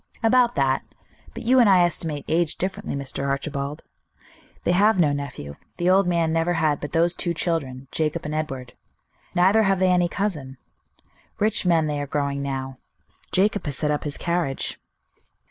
"About that. But you and I estimate age differently, Mr. Archibald. They have no nephew; the old man never had but those two children, Jacob and Edward. Neither have they any cousin. Rich men they are growing now. Jacob has set up his carriage."